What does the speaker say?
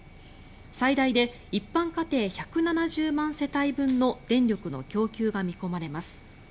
最大で一般家庭１７０万世帯分の電力の供給が見込まれます。